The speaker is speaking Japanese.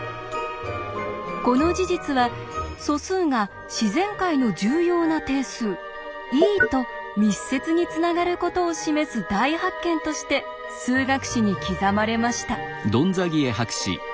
この事実は素数が自然界の重要な定数「ｅ」と密接につながることを示す大発見として数学史に刻まれました。